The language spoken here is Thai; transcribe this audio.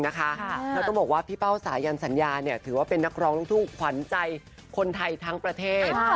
แล้วต้องบอกว่าพี่เป้าสายันสัญญาถือว่าเป็นนักร้องลูกทุ่งขวัญใจคนไทยทั้งประเทศ